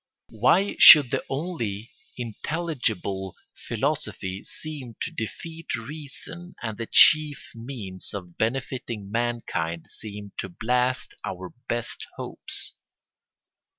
Why should the only intelligible philosophy seem to defeat reason and the chief means of benefiting mankind seem to blast our best hopes?